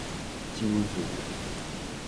周瑜